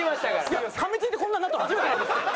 いやかみついてこんなんなったの初めてなんですけど。